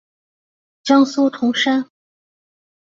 江苏铜山。